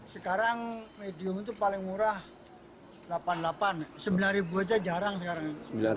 sekarang medium itu paling murah delapan sembilan saja jarang sekarang